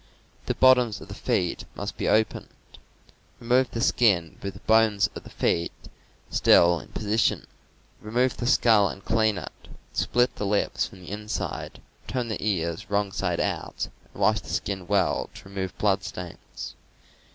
The bottoms of the feet must be opened. Remove the skin with the bones of the feet still in position. Remove the skull and clean it; split the lips from the inside, turn the ears wrong side out and wash the skin well to remove blood stains.